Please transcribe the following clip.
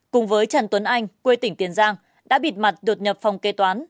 cùng với trần tuấn anh quê tỉnh tiền giang đã bịt mặt đột nhập phòng kế toán